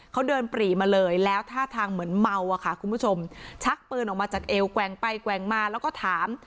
เขาเดินปรีมาเลยแล้วท่าทางเหมือนเมาอะค่ะคุณผู้ชมชักปืนออกมาจากเอวแกว่งไปแกว่งมาแล้วก็ถาม